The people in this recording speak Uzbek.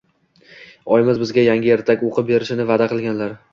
Oyimiz bizga yangi ertak o‘qib berishni va’da qilganlar”.